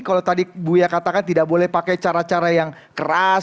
kalau tadi bu ya katakan tidak boleh pakai cara cara yang keras